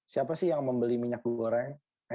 siapa sih yang membeli minyak goreng